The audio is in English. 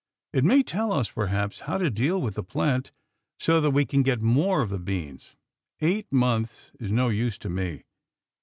It may tell us, perhaps, how to deal with the plant so that we can get more of the beans. Eight months is no use to me.